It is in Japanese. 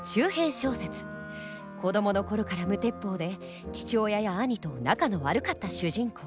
子どもの頃から無鉄砲で父親や兄と仲の悪かった主人公。